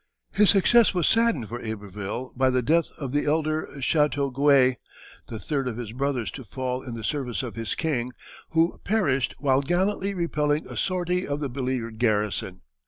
His success was saddened for Iberville by the death of the elder Chateauguay, the third of his brothers to fall in the service of his king, who perished while gallantly repelling a sortie of the beleaguered garrison.